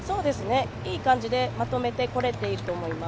いい感じでまとめてこれていると思います。